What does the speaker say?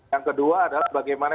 yang kedua adalah bagaimana